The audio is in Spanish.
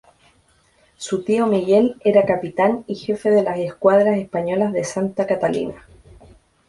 Su tío Miguel era capitán y jefe de las escuadras españolas de ¨Santa Catalina¨.